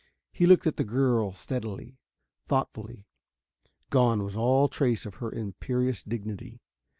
He looked at the girl steadily, thoughtfully. Gone was all trace of her imperious dignity.